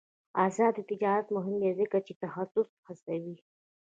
آزاد تجارت مهم دی ځکه چې تخصص هڅوي.